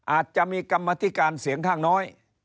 อาจจะมีกรรมธิการเสียงข้างน้อย